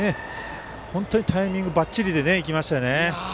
本当にタイミングばっちりでいきましたよね。